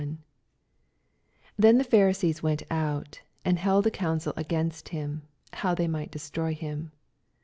14 Then the Pharisees went out, and held a oouncil against him, how they might destroy him.